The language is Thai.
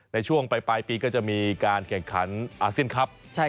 ในช่วงปลายปีก็จะมีการแข่งขันอาเซียนครับ